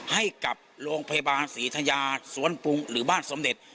ให้กับโรงพยาบาลศรีธยาสวนปรุงหรือบ้านสมเด็จ